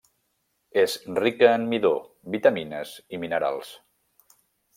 És rica en midó, vitamines i minerals.